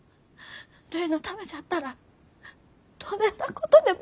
るいのためじゃったらどねえなことでも。